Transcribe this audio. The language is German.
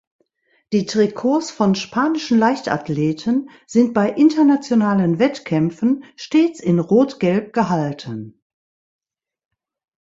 Die Trikots von spanischen Leichtathleten sind bei internationalen Wettkämpfen stets in Rot-Gelb gehalten.